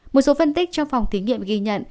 một số phân tích trong phòng thí nghiệm ghi nhận